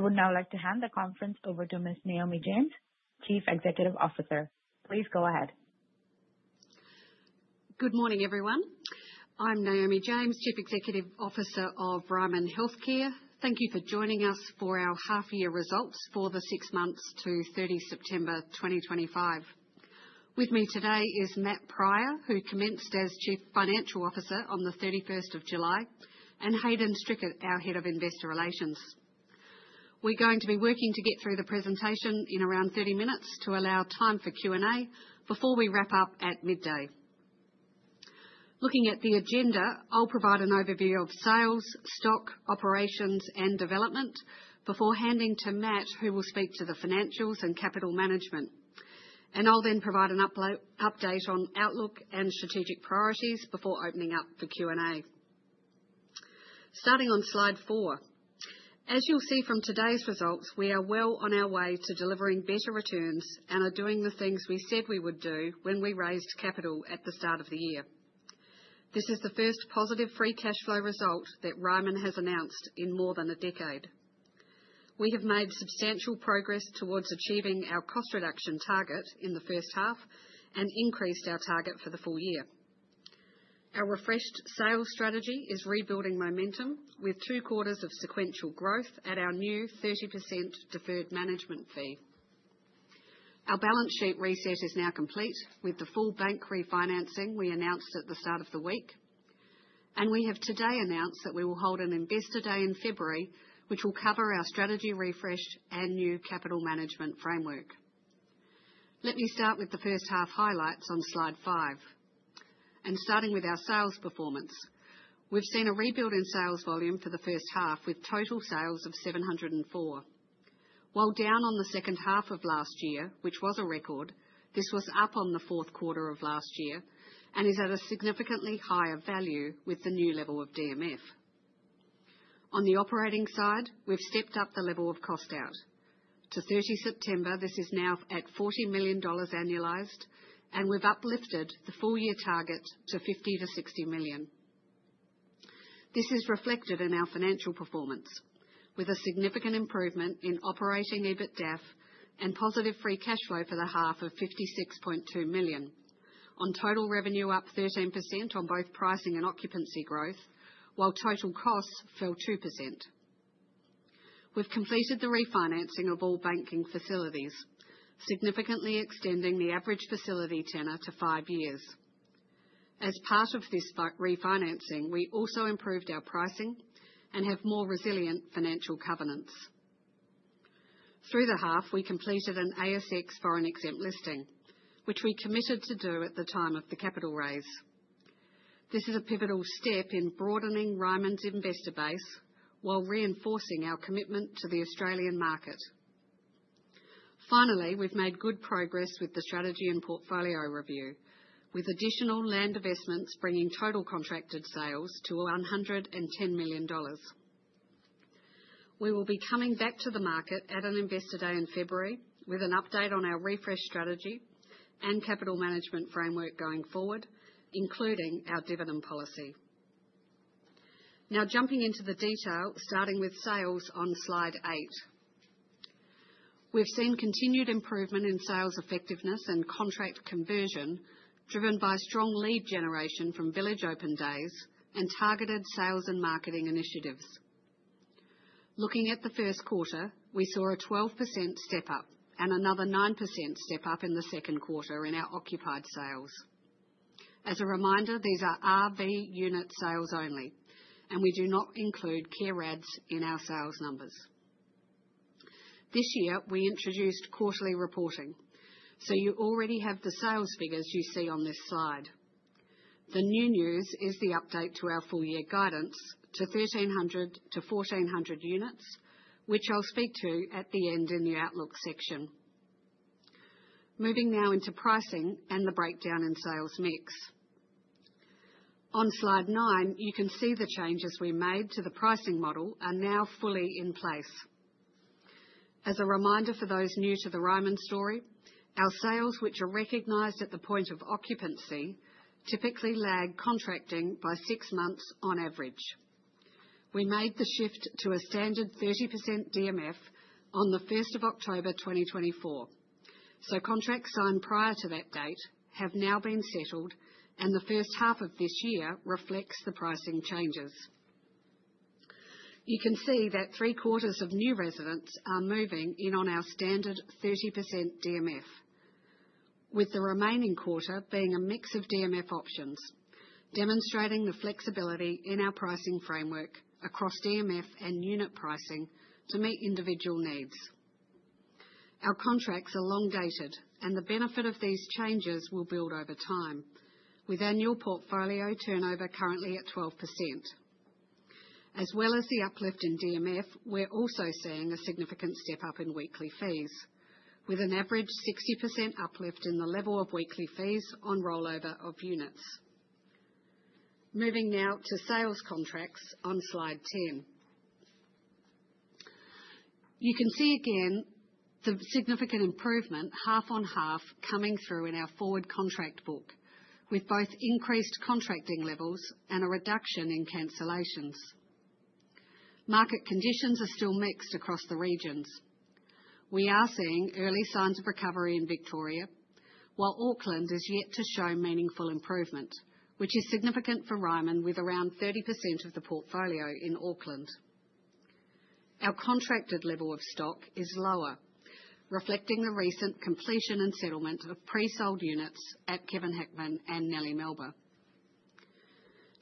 I would now like to hand the conference over to Ms. Naomi James, Chief Executive Officer. Please go ahead. Good morning, everyone. I'm Naomi James, Chief Executive Officer of Ryman Healthcare. Thank you for joining us for our half-year results for the six months to 30 September 2025. With me today is Matt Prior, who commenced as Chief Financial Officer on the 31st of July, and Hayden Strickett, our Head of Investor Relations. We're going to be working to get through the presentation in around 30 minutes to allow time for Q&A before we wrap up at midday. Looking at the agenda, I'll provide an overview of sales, stock, operations, and development before handing to Matt, who will speak to the financials and capital management. I'll then provide an update on outlook and strategic priorities before opening up for Q&A. Starting on slide four, as you'll see from today's results, we are well on our way to delivering better returns and are doing the things we said we would do when we raised capital at the start of the year. This is the first positive free cash flow result that Ryman has announced in more than a decade. We have made substantial progress towards achieving our cost reduction target in the first half and increased our target for the full year. Our refreshed sales strategy is rebuilding momentum with two quarters of sequential growth at our new 30% deferred management fee. Our balance sheet reset is now complete with the full bank refinancing we announced at the start of the week. We have today announced that we will hold an Investor Day in February, which will cover our strategy refresh and new capital management framework. Let me start with the first half highlights on slide five. Starting with our sales performance, we've seen a rebuild in sales volume for the first half with total sales of 704. While down on the second half of last year, which was a record, this was up on the fourth quarter of last year and is at a significantly higher value with the new level of DMF. On the operating side, we've stepped up the level of cost out. To 30 September, this is now at 40 million dollars annualized, and we've uplifted the full year target to 50 million-60 million. This is reflected in our financial performance, with a significant improvement in operating EBITDA and positive free cash flow for the half of 56.2 million, on total revenue up 13% on both pricing and occupancy growth, while total costs fell 2%. We've completed the refinancing of all banking facilities, significantly extending the average facility tenor to five years. As part of this refinancing, we also improved our pricing and have more resilient financial covenants. Through the half, we completed an ASX foreign exempt listing, which we committed to do at the time of the capital raise. This is a pivotal step in broadening Ryman's investor base while reinforcing our commitment to the Australian market. Finally, we've made good progress with the strategy and portfolio review, with additional land investments bringing total contracted sales to 110 million dollars. We will be coming back to the market at an Investor Day in February with an update on our refresh strategy and capital management framework going forward, including our dividend policy. Now jumping into the detail, starting with sales on slide eight. We've seen continued improvement in sales effectiveness and contract conversion driven by strong lead generation from village open days and targeted sales and marketing initiatives. Looking at the first quarter, we saw a 12% step up and another 9% step up in the second quarter in our occupied sales. As a reminder, these are RV unit sales only, and we do not include care ads in our sales numbers. This year, we introduced quarterly reporting, so you already have the sales figures you see on this slide. The new news is the update to our full year guidance to 1,300 units-1,400 units, which I'll speak to at the end in the outlook section. Moving now into pricing and the breakdown in sales mix. On slide nine, you can see the changes we made to the pricing model are now fully in place. As a reminder for those new to the Ryman story, our sales, which are recognized at the point of occupancy, typically lag contracting by six months on average. We made the shift to a standard 30% DMF on the 1st of October 2024, so contracts signed prior to that date have now been settled, and the first half of this year reflects the pricing changes. You can see that three quarters of new residents are moving in on our standard 30% DMF, with the remaining quarter being a mix of DMF options, demonstrating the flexibility in our pricing framework across DMF and unit pricing to meet individual needs. Our contracts are long dated, and the benefit of these changes will build over time, with annual portfolio turnover currently at 12%. As well as the uplift in DMF, we're also seeing a significant step up in weekly fees, with an average 60% uplift in the level of weekly fees on rollover of units. Moving now to sales contracts on slide 10. You can see again the significant improvement half on half coming through in our forward contract book, with both increased contracting levels and a reduction in cancellations. Market conditions are still mixed across the regions. We are seeing early signs of recovery in Victoria, while Auckland has yet to show meaningful improvement, which is significant for Ryman with around 30% of the portfolio in Auckland. Our contracted level of stock is lower, reflecting the recent completion and settlement of pre-sold units at Kevin Hackman and Nellie Melba.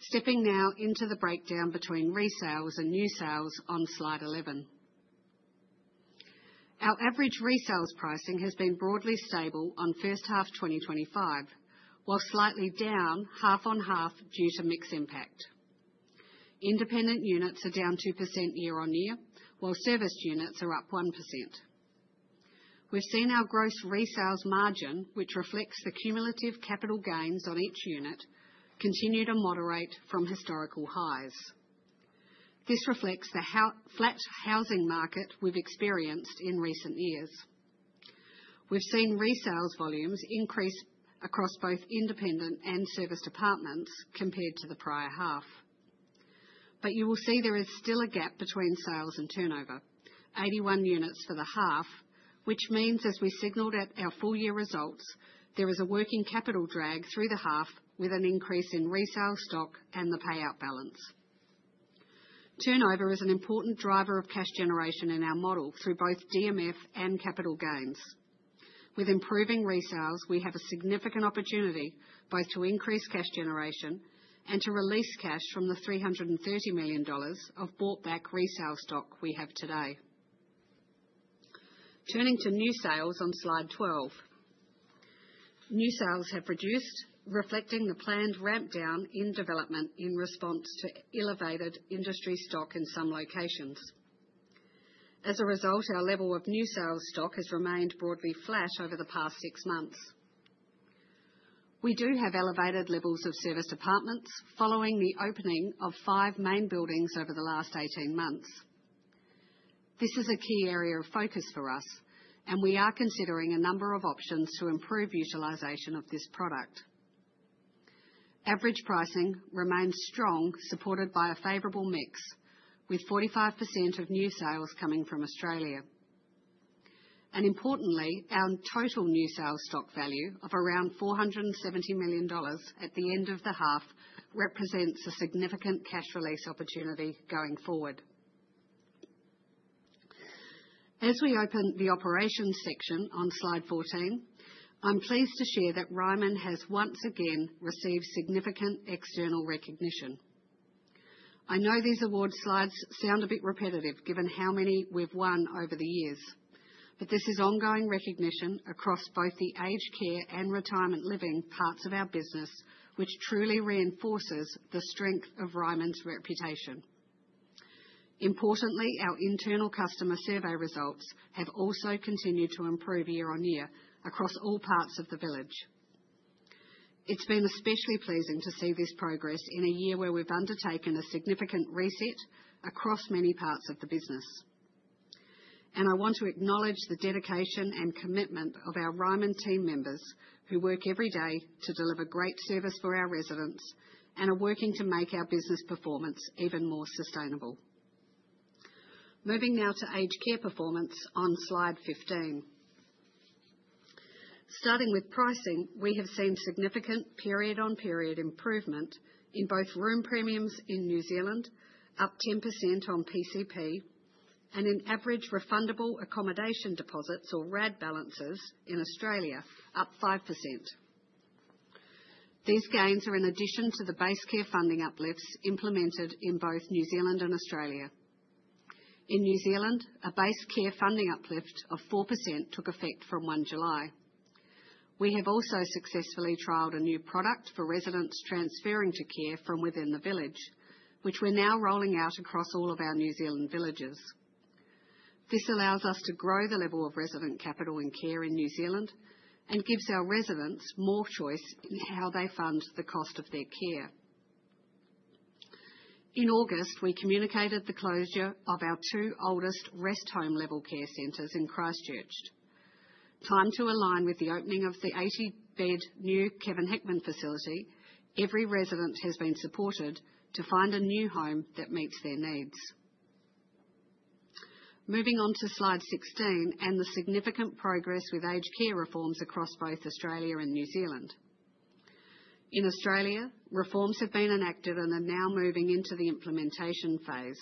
Stepping now into the breakdown between resales and new sales on slide 11. Our average resales pricing has been broadly stable on first half 2025, while slightly down half on half due to mixed impact. Independent units are down 2% year-on-year, while serviced units are up 1%. We have seen our gross resales margin, which reflects the cumulative capital gains on each unit, continue to moderate from historical highs. This reflects the flat housing market we have experienced in recent years. We have seen resales volumes increase across both independent and serviced apartments compared to the prior half. You will see there is still a gap between sales and turnover, 81 units for the half, which means as we signaled at our full year results, there is a working capital drag through the half with an increase in resale stock and the payout balance. Turnover is an important driver of cash generation in our model through both DMF and capital gains. With improving resales, we have a significant opportunity both to increase cash generation and to release cash from the 330 million dollars of bought-back resale stock we have today. Turning to new sales on slide 12. New sales have reduced, reflecting the planned ramp down in development in response to elevated industry stock in some locations. As a result, our level of new sales stock has remained broadly flat over the past six months. We do have elevated levels of serviced apartments following the opening of five main buildings over the last 18 months. This is a key area of focus for us, and we are considering a number of options to improve utilization of this product. Average pricing remains strong, supported by a favorable mix, with 45% of new sales coming from Australia. Importantly, our total new sales stock value of around 470 million dollars at the end of the half represents a significant cash release opportunity going forward. As we open the operations section on slide 14, I'm pleased to share that Ryman has once again received significant external recognition. I know these award slides sound a bit repetitive given how many we've won over the years, but this is ongoing recognition across both the aged care and retirement living parts of our business, which truly reinforces the strength of Ryman's reputation. Importantly, our internal customer survey results have also continued to improve year on year across all parts of the village. It's been especially pleasing to see this progress in a year where we've undertaken a significant reset across many parts of the business. I want to acknowledge the dedication and commitment of our Ryman team members who work every day to deliver great service for our residents and are working to make our business performance even more sustainable. Moving now to aged care performance on slide 15. Starting with pricing, we have seen significant period-on-period improvement in both room premiums in New Zealand, up 10% on PCP, and in average refundable accommodation deposits, or RAD balances, in Australia, up 5%. These gains are in addition to the base care funding uplifts implemented in both New Zealand and Australia. In New Zealand, a base care funding uplift of 4% took effect from 1 July. We have also successfully trialed a new product for residents transferring to care from within the village, which we're now rolling out across all of our New Zealand villages. This allows us to grow the level of resident capital and care in New Zealand and gives our residents more choice in how they fund the cost of their care. In August, we communicated the closure of our two oldest rest home level care centers in Christchurch. Timed to align with the opening of the 80-bed new Kevin Hackman facility, every resident has been supported to find a new home that meets their needs. Moving on to slide 16 and the significant progress with aged care reforms across both Australia and New Zealand. In Australia, reforms have been enacted and are now moving into the implementation phase.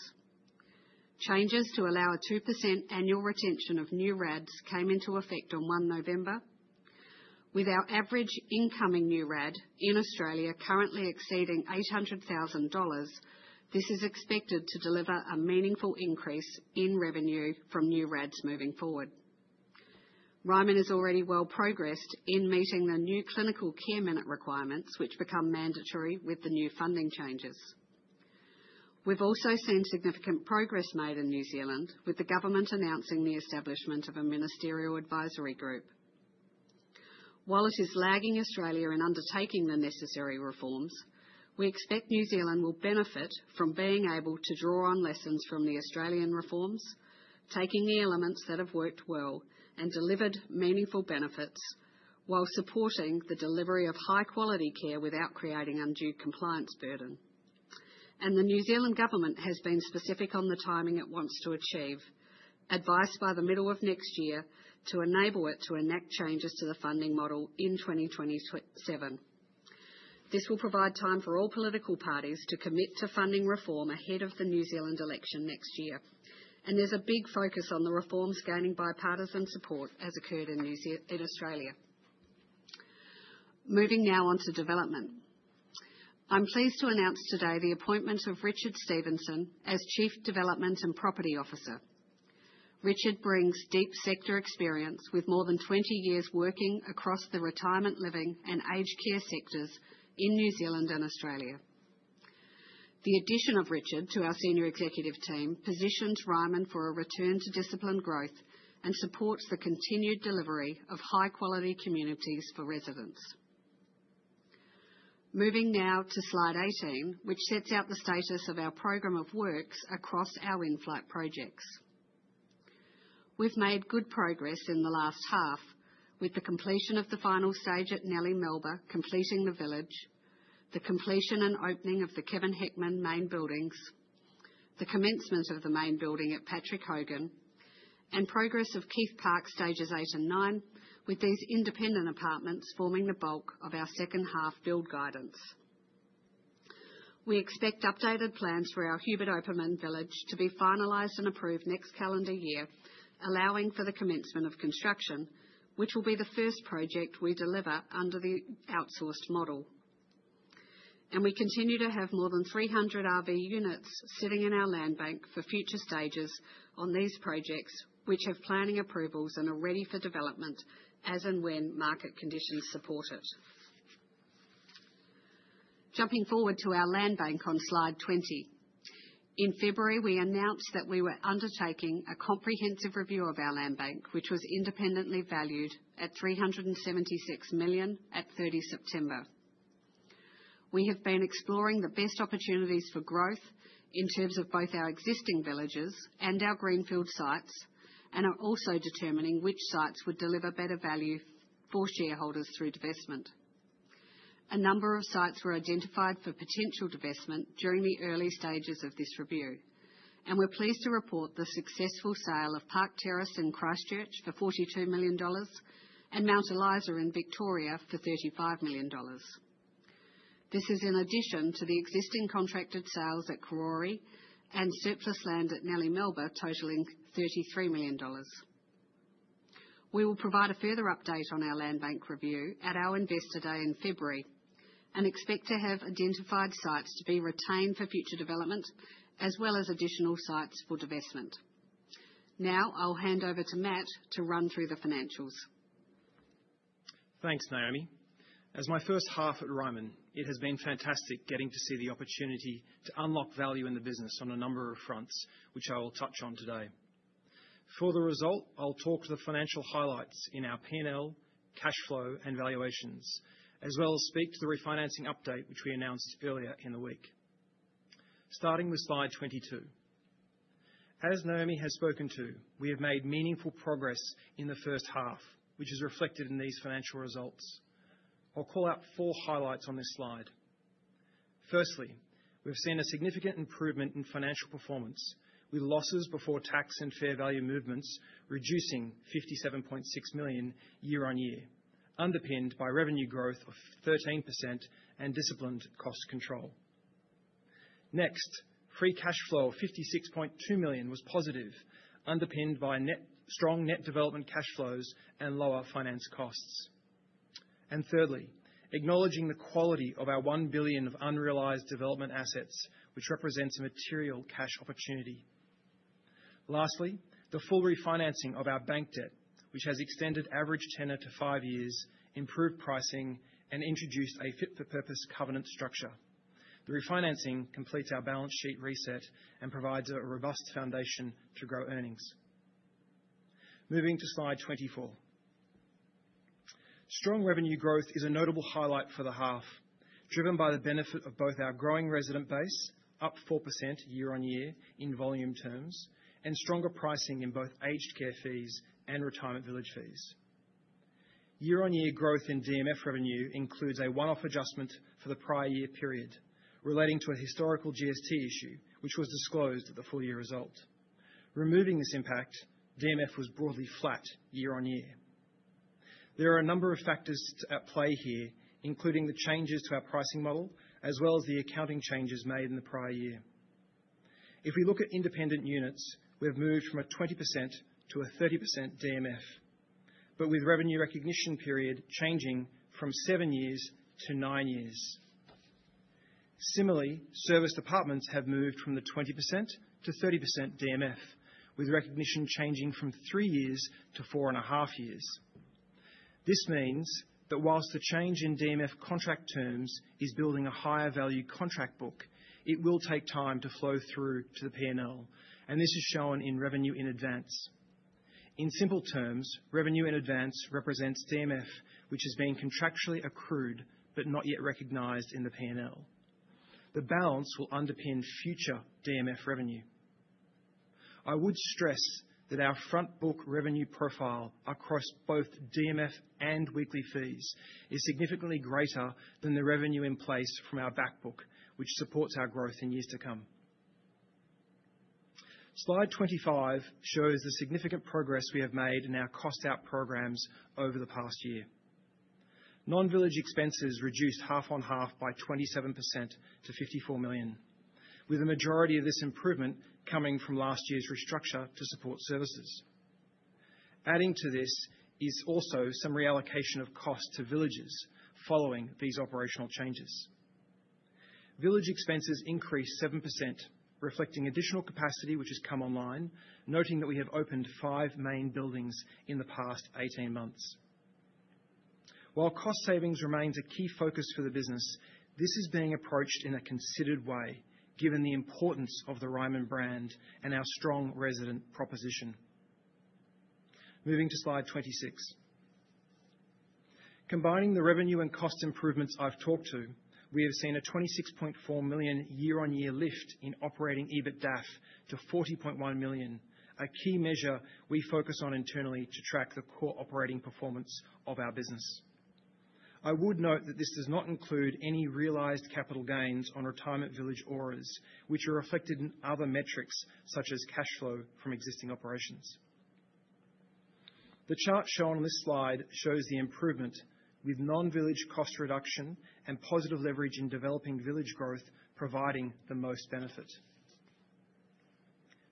Changes to allow a 2% annual retention of new RADs came into effect on 1 November. With our average incoming new RAD in Australia currently exceeding 800,000 dollars, this is expected to deliver a meaningful increase in revenue from new RADs moving forward. Ryman has already well progressed in meeting the new clinical care minute requirements, which become mandatory with the new funding changes. We have also seen significant progress made in New Zealand, with the government announcing the establishment of a ministerial advisory group. While it is lagging Australia in undertaking the necessary reforms, we expect New Zealand will benefit from being able to draw on lessons from the Australian reforms, taking the elements that have worked well and delivered meaningful benefits, while supporting the delivery of high-quality care without creating undue compliance burden. The New Zealand government has been specific on the timing it wants to achieve, advised by the middle of next year to enable it to enact changes to the funding model in 2027. This will provide time for all political parties to commit to funding reform ahead of the New Zealand election next year. There is a big focus on the reforms gaining bipartisan support as occurred in Australia. Moving now on to development. I'm pleased to announce today the appointment of Richard Stevenson as Chief Development and Property Officer. Richard brings deep sector experience with more than 20 years working across the retirement living and aged care sectors in New Zealand and Australia. The addition of Richard to our senior executive team positions Ryman for a return to discipline growth and supports continued delivery of high-quality communities for residents. Moving now to slide 18, which sets out the status of our program of works across our wind flight projects. We've made good progress in the last half with the completion of the final stage at Nellie Melba, completing the village, the completion and opening of the Kevin Hackman main buildings, the commencement of the main building at Patrick Hogan, and progress of Keith Park stages eight and nine, with these independent apartments forming the bulk of our second half build guidance. We expect updated plans for our Hubert Opperman village to be finalized and approved next calendar year, allowing for the commencement of construction, which will be the first project we deliver under the outsourced model. We continue to have more than 300 RV units sitting in our land bank for future stages on these projects, which have planning approvals and are ready for development as and when market conditions support it. Jumping forward to our land bank on slide 20. In February, we announced that we were undertaking a comprehensive review of our land bank, which was independently valued at 376 million at 30 September. We have been exploring the best opportunities for growth in terms of both our existing villages and our greenfield sites, and are also determining which sites would deliver better value for shareholders through divestment. A number of sites were identified for potential divestment during the early stages of this review, and we're pleased to report the successful sale of Park Terrace in Christchurch for NZD 42 million and Mount Eliza in Victoria for AUD 35 million. This is in addition to the existing contracted sales at Karori and surplus land at Nellie Melba, totaling NZD 33 million. We will provide a further update on our land bank review at our investor day in February and expect to have identified sites to be retained for future development, as well as additional sites for divestment. Now I'll hand over to Matt to run through the financials. Thanks, Naomi. As my first half at Ryman, it has been fantastic getting to see the opportunity to unlock value in the business on a number of fronts, which I will touch on today. For the result, I'll talk to the financial highlights in our P&L, cash flow, and valuations, as well as speak to the refinancing update which we announced earlier in the week. Starting with slide 22. As Naomi has spoken to, we have made meaningful progress in the first half, which is reflected in these financial results. I'll call out four highlights on this slide. Firstly, we've seen a significant improvement in financial performance, with losses before tax and fair value movements reducing 57.6 million year-on-year, underpinned by revenue growth of 13% and disciplined cost control. Next, free cash flow of 56.2 million was positive, underpinned by strong net development cash flows and lower finance costs. Thirdly, acknowledging the quality of our 1 billion of unrealized development assets, which represents a material cash opportunity. Lastly, the full refinancing of our bank debt, which has extended average tenure to five years, improved pricing, and introduced a fit-for-purpose covenant structure. The refinancing completes our balance sheet reset and provides a robust foundation to grow earnings. Moving to slide 24. Strong revenue growth is a notable highlight for the half, driven by the benefit of both our growing resident base, up 4% year-on-year in volume terms, and stronger pricing in both aged care fees and retirement village fees. Year-on-year growth in DMF revenue includes a one-off adjustment for the prior year period, relating to a historical GST issue, which was disclosed at the full year result. Removing this impact, DMF was broadly flat year-on-year. There are a number of factors at play here, including the changes to our pricing model, as well as the accounting changes made in the prior year. If we look at independent units, we have moved from a 20% to a 30% DMF, but with revenue recognition period changing from seven years to nine years. Similarly, serviced apartments have moved from the 20% to 30% DMF, with recognition changing from three years to four and a half years. This means that whilst the change in DMF contract terms is building a higher value contract book, it will take time to flow through to the P&L, and this is shown in revenue in advance. In simple terms, revenue in advance represents DMF, which has been contractually accrued but not yet recognized in the P&L. The balance will underpin future DMF revenue. I would stress that our front book revenue profile across both DMF and weekly fees is significantly greater than the revenue in place from our back book, which supports our growth in years to come. Slide 25 shows the significant progress we have made in our cost-out programs over the past year. Non-village expenses reduced half on half by 27% to 54 million, with a majority of this improvement coming from last year's restructure to support services. Adding to this is also some reallocation of costs to villages following these operational changes. Village expenses increased 7%, reflecting additional capacity which has come online, noting that we have opened five main buildings in the past 18 months. While cost savings remains a key focus for the business, this is being approached in a considered way, given the importance of the Ryman brand and our strong resident proposition. Moving to slide 26. Combining the revenue and cost improvements I've talked to, we have seen a 26.4 million year-on-year lift in operating EBITDA to 40.1 million, a key measure we focus on internally to track the core operating performance of our business. I would note that this does not include any realized capital gains on retirement village ORAs, which are reflected in other metrics such as cash flow from existing operations. The chart shown on this slide shows the improvement with non-village cost reduction and positive leverage in developing village growth providing the most benefit.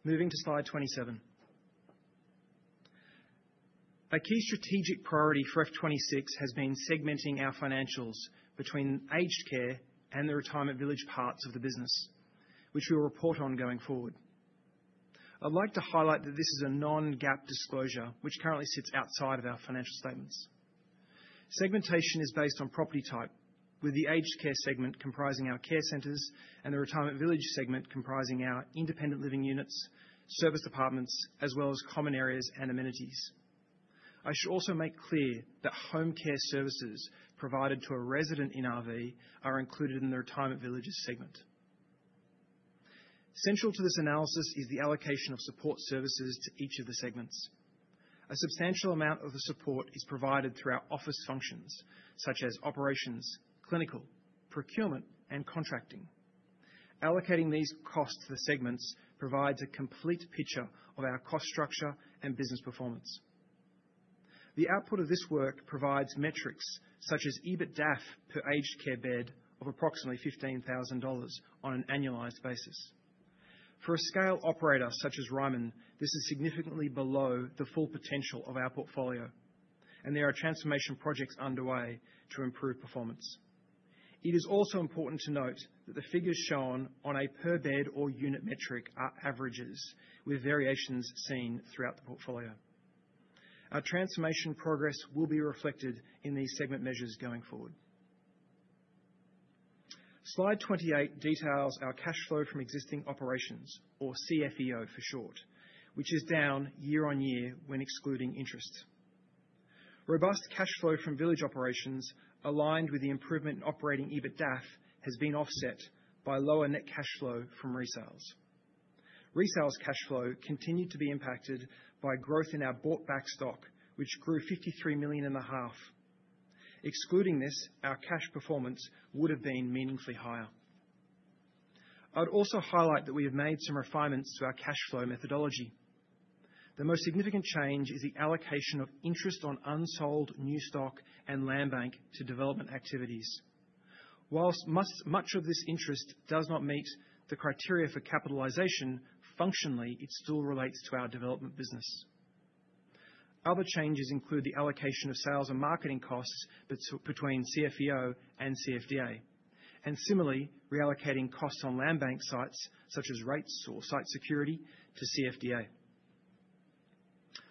Moving to slide 27. A key strategic priority for FY 2026 has been segmenting our financials between aged care and the retirement village parts of the business, which we will report on going forward. I'd like to highlight that this is a non-GAAP disclosure, which currently sits outside of our financial statements. Segmentation is based on property type, with the aged care segment comprising our care centers and the retirement village segment comprising our independent living units, serviced apartments, as well as common areas and amenities. I should also make clear that home care services provided to a resident in RV are included in the retirement villages segment. Central to this analysis is the allocation of support services to each of the segments. A substantial amount of the support is provided through our office functions, such as operations, clinical, procurement, and contracting. Allocating these costs for segments provides a complete picture of our cost structure and business performance. The output of this work provides metrics such as EBITDA per aged care bed of approximately 15,000 dollars on an annualized basis. For a scale operator such as Ryman, this is significantly below the full potential of our portfolio, and there are transformation projects underway to improve performance. It is also important to note that the figures shown on a per bed or unit metric are averages, with variations seen throughout the portfolio. Our transformation progress will be reflected in these segment measures going forward. Slide 28 details our cash flow from existing operations, or CFEO for short, which is down year on year when excluding interest. Robust cash flow from village operations, aligned with the improvement in operating EBITDAF, has been offset by lower net cash flow from resales. Resales cash flow continued to be impacted by growth in our bought-back stock, which grew 53 million in a half. Excluding this, our cash performance would have been meaningfully higher. I'd also highlight that we have made some refinements to our cash flow methodology. The most significant change is the allocation of interest on unsold new stock and land bank to development activities. Whilst much of this interest does not meet the criteria for capitalization, functionally it still relates to our development business. Other changes include the allocation of sales and marketing costs between CFEO and CFDA, and similarly reallocating costs on land bank sites such as rates or site security to CFDA.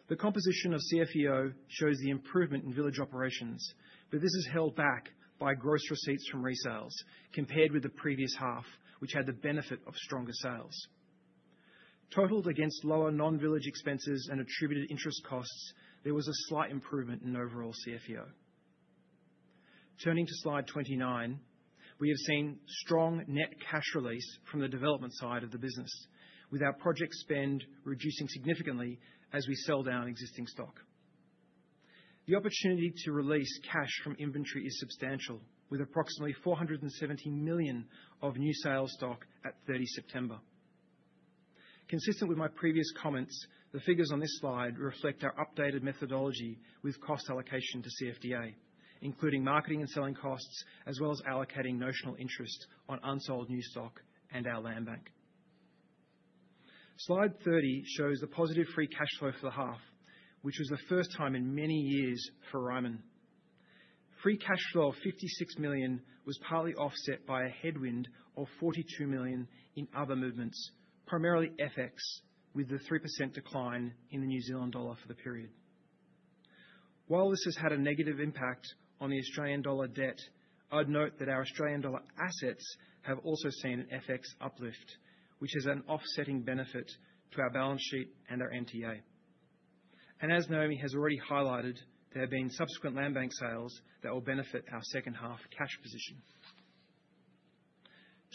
The composition of CFEO shows the improvement in village operations, but this is held back by gross receipts from resales compared with the previous half, which had the benefit of stronger sales. Totaled against lower non-village expenses and attributed interest costs, there was a slight improvement in overall CFEO. Turning to slide 29, we have seen strong net cash release from the development side of the business, with our project spend reducing significantly as we sell down existing stock. The opportunity to release cash from inventory is substantial, with approximately 470 million of new sales stock at 30 September. Consistent with my previous comments, the figures on this slide reflect our updated methodology with cost allocation to CFDA, including marketing and selling costs, as well as allocating notional interest on unsold new stock and our land bank. Slide 30 shows the positive free cash flow for the half, which was the first time in many years for Ryman. Free cash flow of 56 million was partly offset by a headwind of 42 million in other movements, primarily FX, with the 3% decline in the New Zealand dollar for the period. While this has had a negative impact on the Australian dollar debt, I'd note that our Australian dollar assets have also seen an FX uplift, which is an offsetting benefit to our balance sheet and our NTA. As Naomi has already highlighted, there have been subsequent land bank sales that will benefit our second half cash position.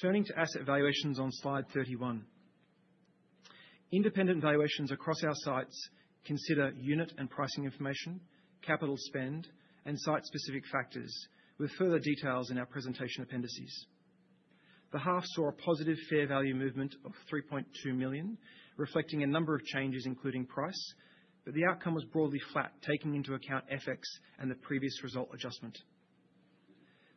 Turning to asset valuations on slide 31. Independent valuations across our sites consider unit and pricing information, capital spend, and site-specific factors, with further details in our presentation appendices. The half saw a positive fair value movement of 3.2 million, reflecting a number of changes including price, but the outcome was broadly flat, taking into account FX and the previous result adjustment.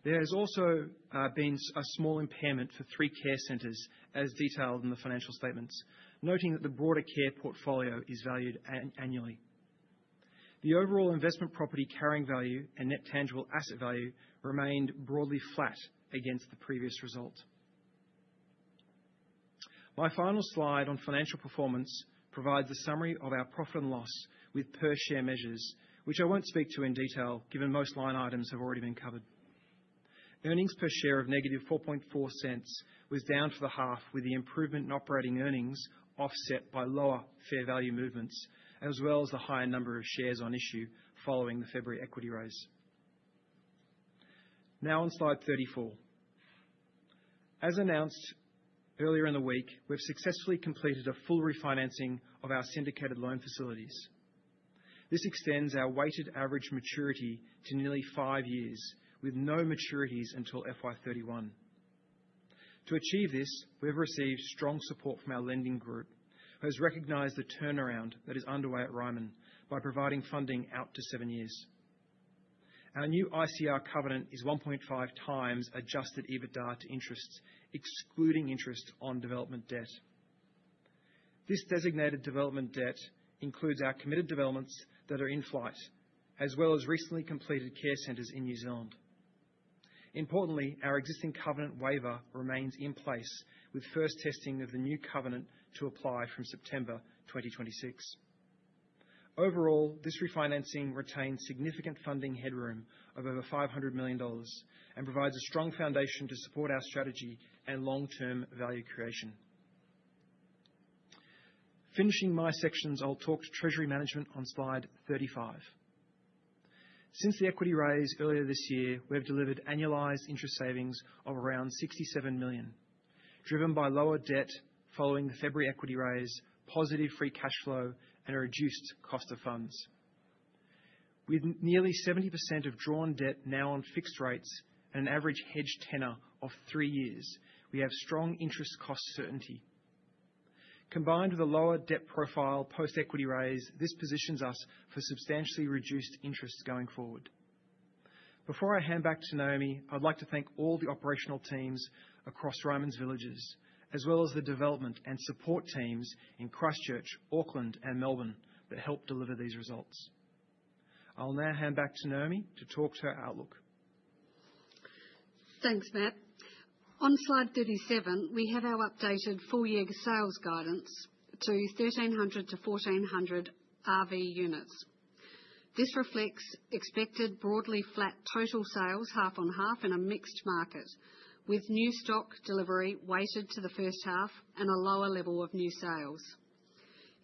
There has also been a small impairment for three care centers, as detailed in the financial statements, noting that the broader care portfolio is valued annually. The overall investment property carrying value and net tangible asset value remained broadly flat against the previous result. My final slide on financial performance provides a summary of our profit and loss with per share measures, which I won't speak to in detail given most line items have already been covered. Earnings per share of negative 0.044 was down to the half, with the improvement in operating earnings offset by lower fair value movements, as well as a higher number of shares on issue following the February equity raise. Now on slide 34. As announced earlier in the week, we have successfully completed a full refinancing of our syndicated loan facilities. This extends our weighted average maturity to nearly five years, with no maturities until FY 2031. To achieve this, we have received strong support from our lending group, who has recognized the turnaround that is underway at Ryman Healthcare by providing funding out to seven years. Our new ICR covenant is 1.5 times adjusted EBITDA to interest, excluding interest on development debt. This designated development debt includes our committed developments that are in flight, as well as recently completed care centers in New Zealand. Importantly, our existing covenant waiver remains in place, with first testing of the new covenant to apply from September 2026. Overall, this refinancing retains significant funding headroom of over 500 million dollars and provides a strong foundation to support our strategy and long-term value creation. Finishing my sections, I'll talk to Treasury Management on slide 35. Since the equity raise earlier this year, we have delivered annualized interest savings of around 67 million, driven by lower debt following the February equity raise, positive free cash flow, and a reduced cost of funds. With nearly 70% of drawn debt now on fixed rates and an average hedged tenor of three years, we have strong interest cost certainty. Combined with a lower debt profile post-equity raise, this positions us for substantially reduced interest going forward. Before I hand back to Naomi, I'd like to thank all the operational teams across Ryman's villages, as well as the development and support teams in Christchurch, Auckland, and Melbourne that helped deliver these results. I'll now hand back to Naomi to talk to her outlook. Thanks, Matt. On slide 37, we have our updated full year sales guidance to 1,300-1,400 RV units. This reflects expected broadly flat total sales, half on half in a mixed market, with new stock delivery weighted to the first half and a lower level of new sales.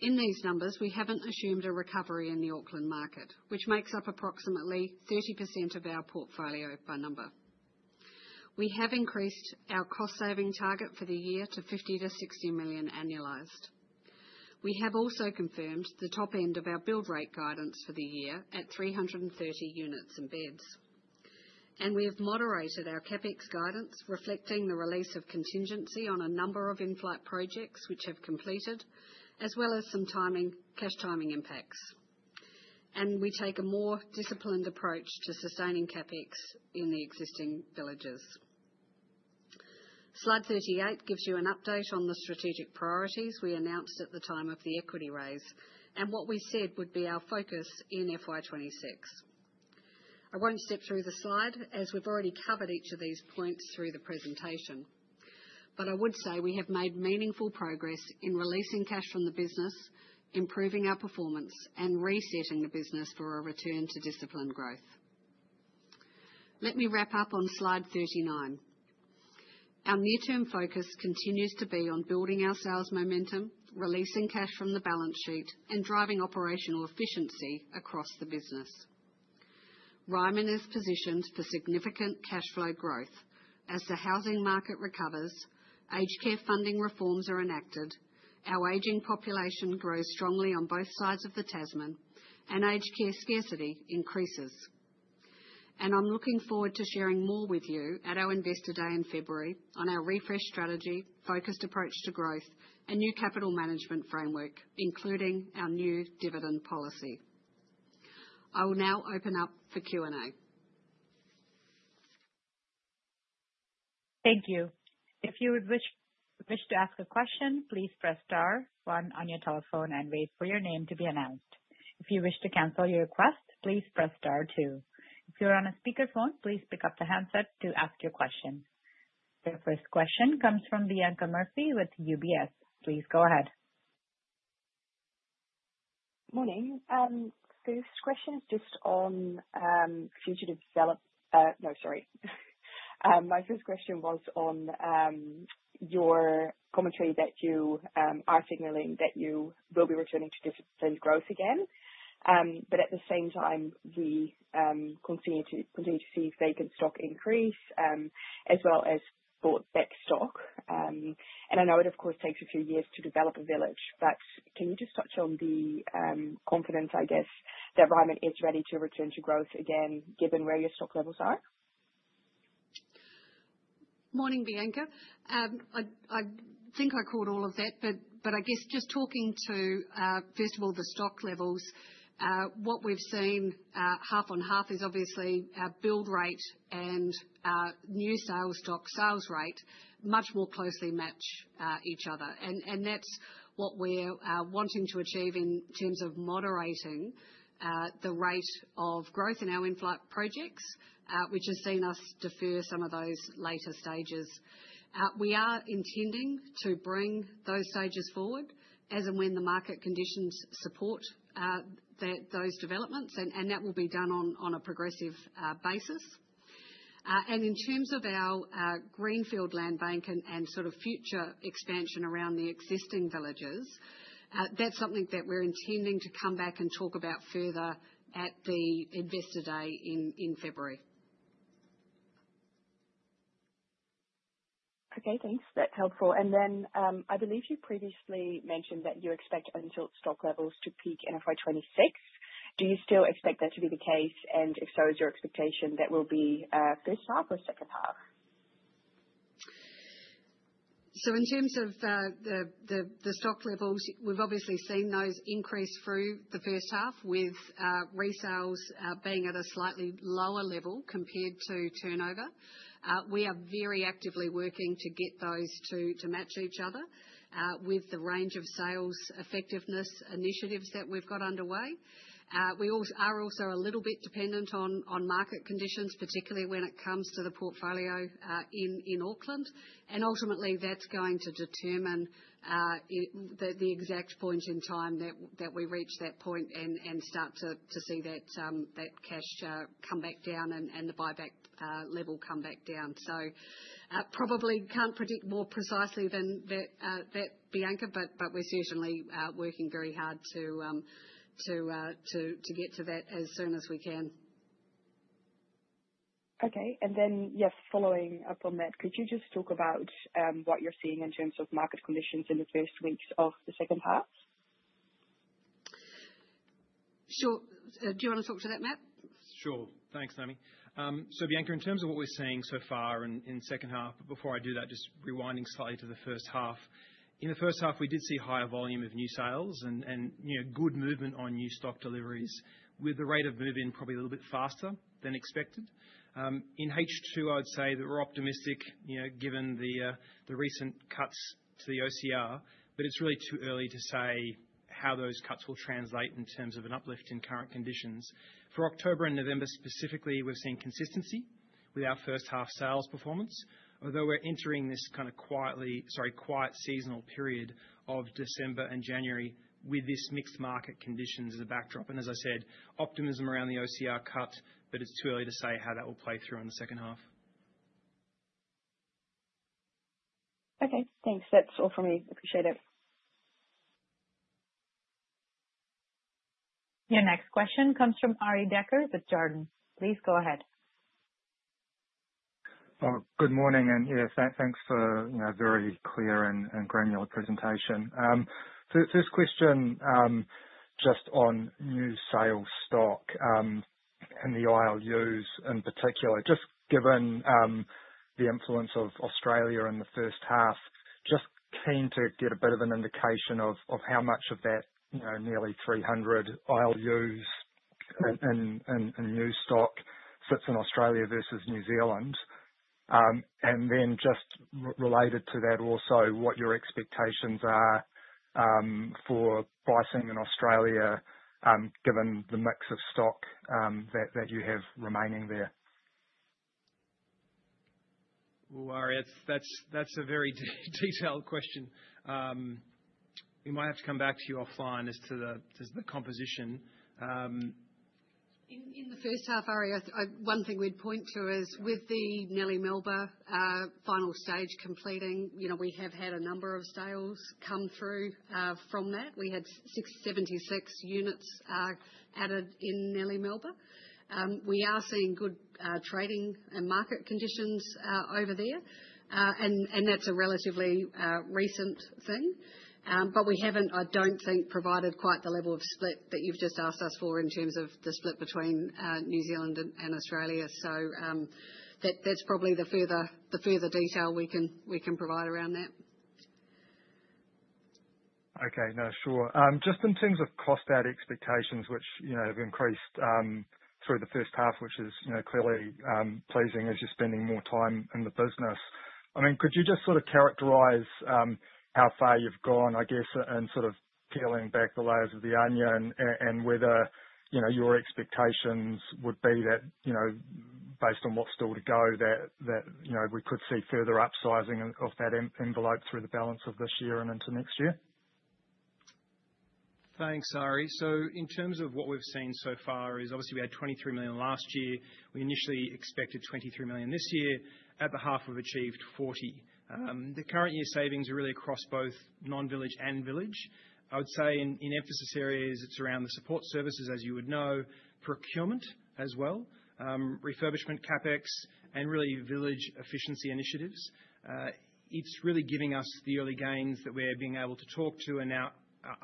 In these numbers, we haven't assumed a recovery in the Auckland market, which makes up approximately 30% of our portfolio by number. We have increased our cost saving target for the year to $50 million-$60 million annualized. We have also confirmed the top end of our build rate guidance for the year at 330 units and beds. We have moderated our CapEx guidance, reflecting the release of contingency on a number of in-flight projects which have completed, as well as some cash timing impacts. We take a more disciplined approach to sustaining CapEx in the existing villages. Slide 38 gives you an update on the strategic priorities we announced at the time of the equity raise and what we said would be our focus in FY 2026. I will not step through the slide as we have already covered each of these points through the presentation, but I would say we have made meaningful progress in releasing cash from the business, improving our performance, and resetting the business for a return to disciplined growth. Let me wrap up on slide 39. Our near-term focus continues to be on building our sales momentum, releasing cash from the balance sheet, and driving operational efficiency across the business. Ryman is positioned for significant cash flow growth as the housing market recovers, aged care funding reforms are enacted, our aging population grows strongly on both sides of the Tasman, and aged care scarcity increases. I am looking forward to sharing more with you at our investor day in February on our refresh strategy, focused approach to growth, and new capital management framework, including our new dividend policy. I will now open up for Q&A. Thank you. If you would wish to ask a question, please press star one on your telephone and wait for your name to be announced. If you wish to cancel your request, please press star two. If you are on a speakerphone, please pick up the handset to ask your question. The first question comes from Bianca Murphy with UBS. Please go ahead. Morning. First question is just on future development. No, sorry. My first question was on your commentary that you are signaling that you will be returning to disciplined growth again. At the same time, we continue to see vacant stock increase, as well as bought-back stock. I know it, of course, takes a few years to develop a village. Can you just touch on the confidence, I guess, that Ryman is ready to return to growth again, given where your stock levels are? Morning, Bianca. I think I caught all of that, but I guess just talking to, first of all, the stock levels, what we've seen half on half is obviously our build rate and new sales stock sales rate much more closely match each other. That is what we're wanting to achieve in terms of moderating the rate of growth in our in-flight projects, which has seen us defer some of those later stages. We are intending to bring those stages forward as and when the market conditions support those developments, and that will be done on a progressive basis. In terms of our greenfield land bank and sort of future expansion around the existing villages, that is something that we're intending to come back and talk about further at the investor day in February. Okay, thanks. That's helpful. I believe you previously mentioned that you expect unsold stock levels to peak in FY 2026. Do you still expect that to be the case? If so, is your expectation that will be first half or second half? In terms of the stock levels, we've obviously seen those increase through the first half, with resales being at a slightly lower level compared to turnover. We are very actively working to get those to match each other with the range of sales effectiveness initiatives that we've got underway. We are also a little bit dependent on market conditions, particularly when it comes to the portfolio in Auckland. Ultimately, that's going to determine the exact point in time that we reach that point and start to see that cash come back down and the buyback level come back down. Probably can't predict more precisely than that, Bianca, but we're certainly working very hard to get to that as soon as we can. Okay. Yes, following up on that, could you just talk about what you're seeing in terms of market conditions in the first weeks of the second half? Sure. Do you want to talk to that, Matt? Sure. Thanks, Naomi. Bianca, in terms of what we're seeing so far in the second half, before I do that, just rewinding slightly to the first half. In the first half, we did see a higher volume of new sales and good movement on new stock deliveries, with the rate of move-in probably a little bit faster than expected. In H2, I would say that we're optimistic given the recent cuts to the OCR, but it's really too early to say how those cuts will translate in terms of an uplift in current conditions. For October and November specifically, we've seen consistency with our first half sales performance, although we're entering this kind of quiet seasonal period of December and January with this mixed market conditions as a backdrop. As I said, optimism around the OCR cuts, but it's too early to say how that will play through in the second half. Okay, thanks. That's all from me. Appreciate it. Your next question comes from Arie Dekker with Jarden. Please go ahead. Good morning. Yeah, thanks for a very clear and granular presentation. The first question just on new sales stock and the ILUs in particular, just given the influence of Australia in the first half, just keen to get a bit of an indication of how much of that nearly 300 ILUs and new stock sits in Australia versus New Zealand. Then just related to that also, what your expectations are for pricing in Australia, given the mix of stock that you have remaining there. Arie, that's a very detailed question. We might have to come back to you offline as to the composition. In the first half, Arie, one thing we'd point to is with the Nellie Melba final stage completing, we have had a number of sales come through from that. We had 76 units added in Nellie Melba. We are seeing good trading and market conditions over there, and that's a relatively recent thing. I don't think we have provided quite the level of split that you've just asked us for in terms of the split between New Zealand and Australia. That's probably the further detail we can provide around that. Okay, no, sure. Just in terms of cost add expectations, which have increased through the first half, which is clearly pleasing as you're spending more time in the business. I mean, could you just sort of characterize how far you've gone, I guess, and sort of peeling back the layers of the onion and whether your expectations would be that based on what's still to go, that we could see further upsizing of that envelope through the balance of this year and into next year? Thanks, Arie. In terms of what we've seen so far is obviously we had 23 million last year. We initially expected 23 million this year. At the half, we've achieved 40 million. The current year savings are really across both non-village and village. I would say in emphasis areas, it's around the support services, as you would know, procurement as well, refurbishment, CapEx, and really village efficiency initiatives. It's really giving us the early gains that we're being able to talk to and now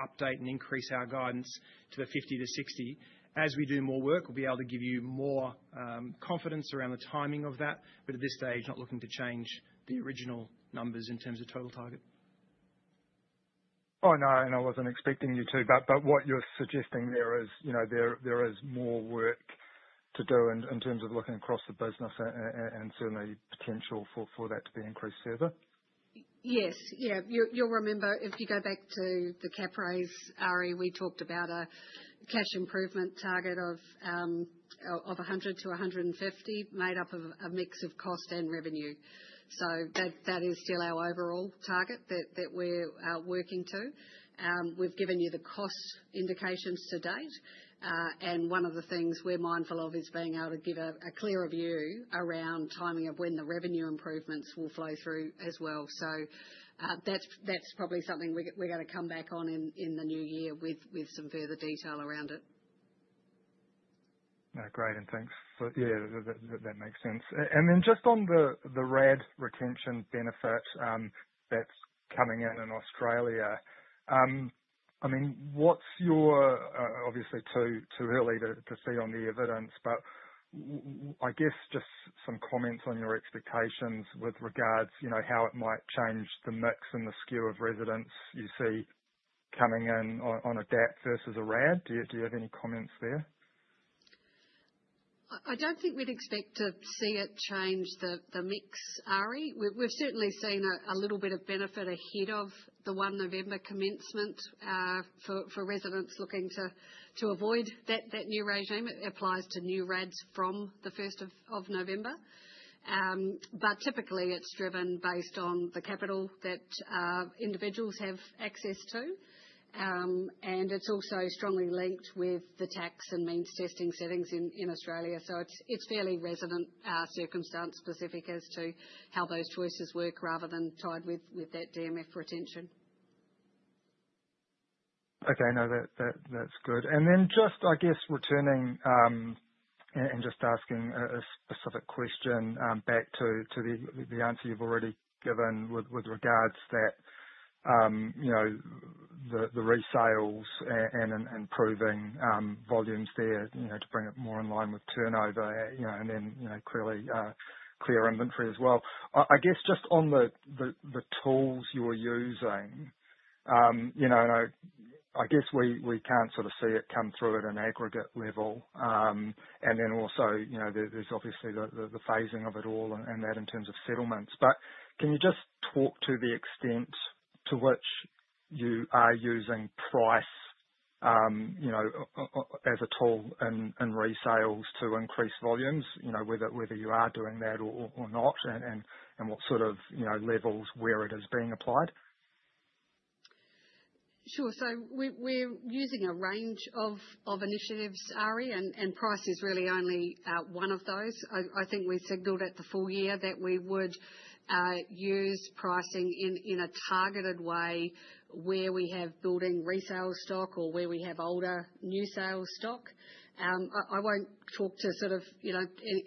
update and increase our guidance to the 50-60. As we do more work, we'll be able to give you more confidence around the timing of that, but at this stage, not looking to change the original numbers in terms of total target. Oh, no, and I wasn't expecting you to, but what you're suggesting there is there is more work to do in terms of looking across the business and certainly potential for that to be increased further. Yes. You'll remember if you go back to the CapRaise, Arie, we talked about a cash improvement target of 100-150 made up of a mix of cost and revenue. So that is still our overall target that we're working to. We've given you the cost indications to date, and one of the things we're mindful of is being able to give a clearer view around timing of when the revenue improvements will flow through as well. That is probably something we're going to come back on in the new year with some further detail around it. Great, and thanks. Yeah, that makes sense. Just on the RAD retention benefits that are coming in in Australia, I mean, what's your, obviously, too early to proceed on the evidence, but I guess just some comments on your expectations with regards to how it might change the mix and the skew of residents you see coming in on a GAT versus a RAD. Do you have any comments there? I do not think we'd expect to see it change the mix, Arie. We've certainly seen a little bit of benefit ahead of the 1 November commencement for residents looking to avoid that new regime. It applies to new RADs from the 1st of November. Typically, it's driven based on the capital that individuals have access to. It's also strongly linked with the tax and means testing settings in Australia. It's fairly resident circumstance specific as to how those choices work rather than tied with that DMF retention. Okay, no, that's good. I guess, returning and just asking a specific question back to the answer you've already given with regards to the resales and improving volumes there to bring it more in line with turnover and then clearly clear inventory as well. I guess just on the tools you're using, I guess we can't sort of see it come through at an aggregate level. There is obviously the phasing of it all in terms of settlements. Can you just talk to the extent to which you are using price as a tool in resales to increase volumes, whether you are doing that or not, and what sort of levels where it is being applied? Sure. We are using a range of initiatives, Arie, and price is really only one of those. I think we signaled at the full year that we would use pricing in a targeted way where we have building resale stock or where we have older new sales stock. I will not talk to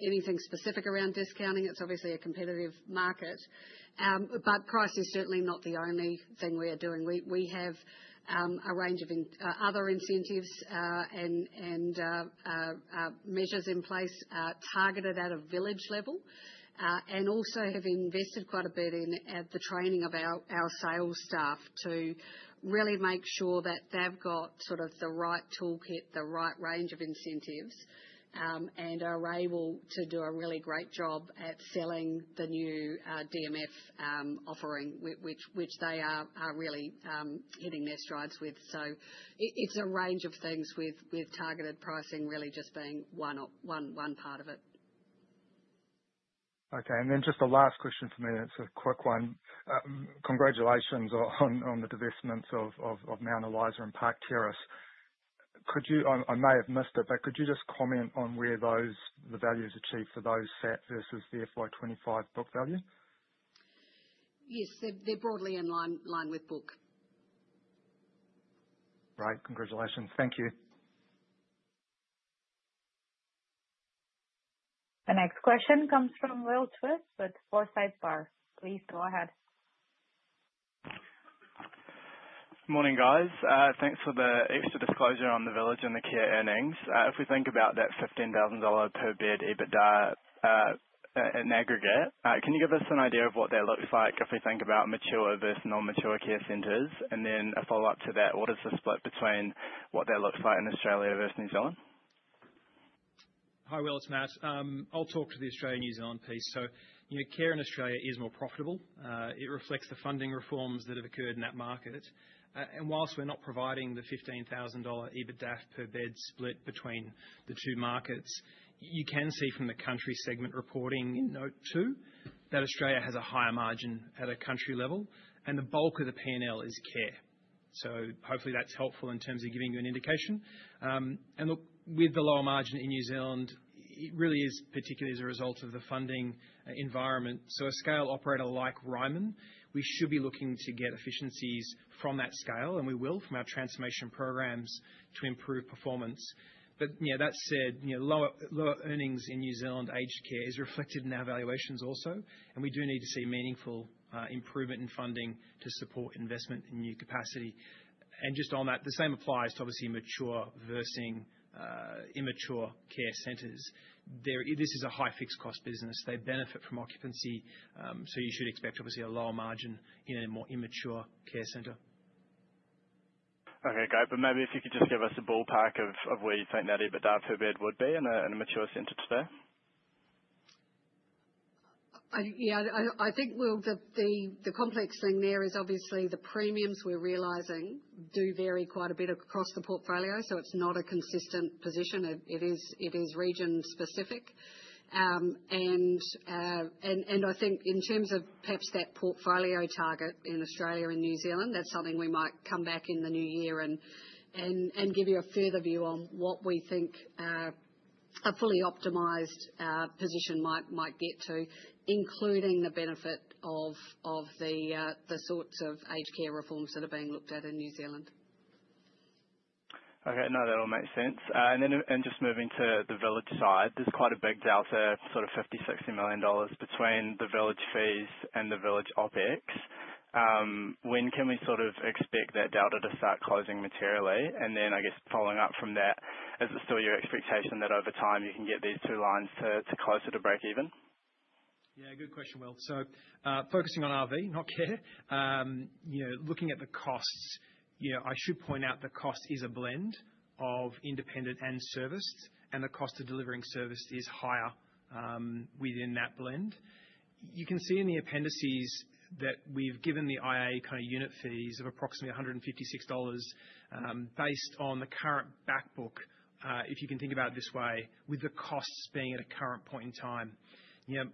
anything specific around discounting. It is obviously a competitive market. Price is certainly not the only thing we are doing. We have a range of other incentives and measures in place targeted at a village level and also have invested quite a bit in the training of our sales staff to really make sure that they've got sort of the right toolkit, the right range of incentives, and are able to do a really great job at selling the new DMF offering, which they are really hitting their strides with. It is a range of things with targeted pricing really just being one part of it. Okay. Just the last question for me. It is a quick one. Congratulations on the divestments of Mount Eliza and Park Terrace. I may have missed it, but could you just comment on where the values achieved for those sat versus the FY 2025 book value? Yes, they are broadly in line with book. Great. Congratulations. Thank you. The next question comes from Will Twiss with Forsyth Barr. Please go ahead. Morning, guys. Thanks for the extra disclosure on the village and the care earnings. If we think about that 15,000 dollar per bed EBITDA in aggregate, can you give us an idea of what that looks like if we think about mature versus non-mature care centers? And then a follow-up to that, what is the split between what that looks like in Australia versus New Zealand? Hi, Will, it's Matt. I'll talk to the Australian-New Zealand piece. Care in Australia is more profitable. It reflects the funding reforms that have occurred in that market. Whilst we're not providing the 15,000 dollar EBITDA per bed split between the two markets, you can see from the country segment reporting in note two that Australia has a higher margin at a country level, and the bulk of the P&L is care. Hopefully that's helpful in terms of giving you an indication. With the lower margin in New Zealand, it really is particularly as a result of the funding environment. A scale operator like Ryman, we should be looking to get efficiencies from that scale, and we will from our transformation programs to improve performance. That said, lower earnings in New Zealand aged care is reflected in our valuations also, and we do need to see meaningful improvement in funding to support investment in new capacity. Just on that, the same applies to obviously mature versus immature care centers. This is a high fixed cost business. They benefit from occupancy, so you should expect obviously a lower margin in a more immature care center. Okay, great. Maybe if you could just give us a ballpark of where you think that EBITDA per bed would be in a mature center today. Yeah, I think Will, the complex thing there is obviously the premiums we're realizing do vary quite a bit across the portfolio, so it's not a consistent position. It is region-specific. I think in terms of perhaps that portfolio target in Australia and New Zealand, that's something we might come back in the new year and give you a further view on what we think a fully optimized position might get to, including the benefit of the sorts of aged care reforms that are being looked at in New Zealand. Okay, no, that all makes sense. Just moving to the village side, there's quite a big delta, sort of 50 million-60 million dollars between the village fees and the village OpEx. When can we sort of expect that delta to start closing materially? I guess following up from that, is it still your expectation that over time you can get these two lines closer to break even? Good question, Will. Focusing on RV, not care. Looking at the costs, I should point out the cost is a blend of independent and serviced, and the cost of delivering services is higher within that blend. You can see in the appendices that we've given the IA kind of unit fees of approximately 156 dollars based on the current backbook, if you can think about it this way, with the costs being at a current point in time.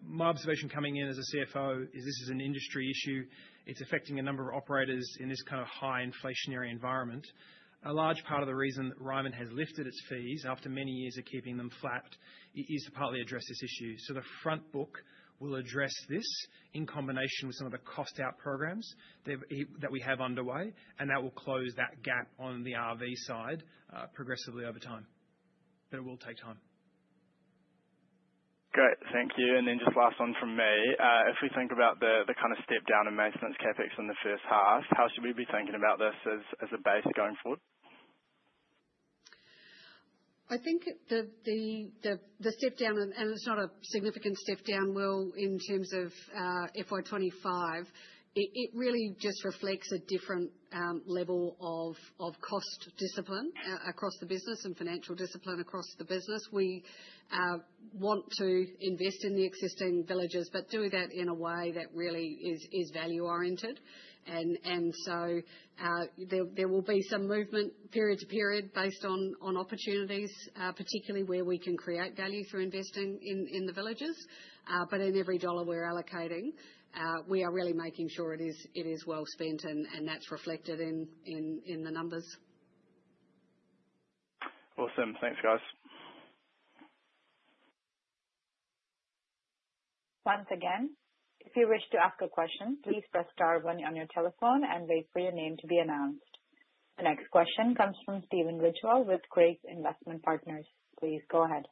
My observation coming in as a CFO is this is an industry issue. It's affecting a number of operators in this kind of high inflationary environment. A large part of the reason that Ryman has lifted its fees after many years of keeping them flat is to partly address this issue. The front book will address this in combination with some of the cost-out programs that we have underway, and that will close that gap on the RV side progressively over time. It will take time. Great. Thank you. Just last one from me. If we think about the kind of step-down amazements CapEx in the first half, how should we be thinking about this as a base going forward? I think the step-down, and it's not a significant step-down, Will, in terms of FY 2025, it really just reflects a different level of cost discipline across the business and financial discipline across the business. We want to invest in the existing villages, but do that in a way that really is value-oriented. There will be some movement period to period based on opportunities, particularly where we can create value through investing in the villages. In every dollar we're allocating, we are really making sure it is well spent, and that's reflected in the numbers. Awesome. Thanks, guys. Once again, if you wish to ask a question, please press star one on your telephone and wait for your name to be announced. The next question comes from Steven Ridgewell with Craigs Investment Partners. Please go ahead.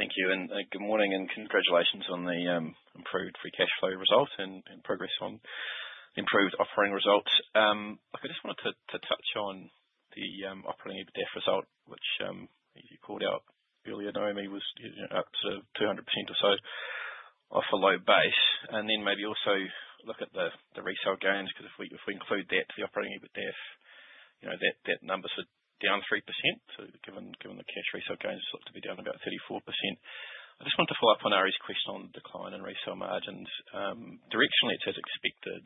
Thank you. Good morning and congratulations on the improved free cash flow results and progress on improved offering results. I just wanted to touch on the operating EBITDA result, which, as you called out earlier, Naomi, was up to 200% or so off a low base. I also want to look at the resale gains because if we include that to the operating EBITDA, that number's down 3%. Given the cash resale gains, it looked to be down about 34%. I just want to follow up on Arie's question on decline in resale margins. Directionally, it's as expected,